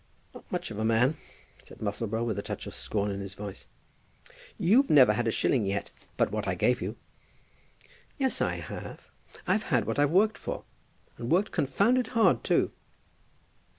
"Not much of a man," said Musselboro, with a touch of scorn in his voice. "You've never had a shilling yet but what I gave you." "Yes; I have. I've had what I've worked for, and worked confounded hard too."